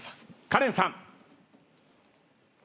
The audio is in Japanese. カレンさん。